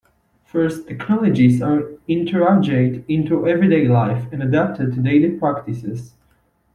First, technologies are integrated into everyday life and adapted to daily practices.